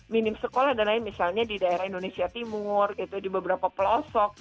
minim sekolah dan lain misalnya di daerah indonesia timur gitu di beberapa pelosok